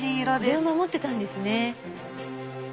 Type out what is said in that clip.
これを守ってたんですね。